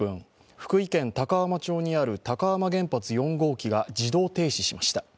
福井県高浜町にある高浜原発４号機が自動停止しました。